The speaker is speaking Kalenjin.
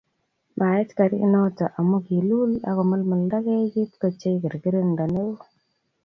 maait garit noto amu kiluul ago milmildage kit ko chei kirkirindo ne o